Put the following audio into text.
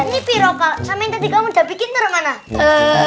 ini piro kal sama yang tadi kamu udah bikin ternyata mana